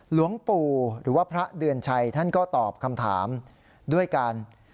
หลวงปู่หรือว่าพระเดือนชัยท่านก็ตอบคำถามด้วยการ